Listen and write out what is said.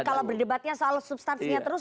kalau berdebatnya soal substansinya terus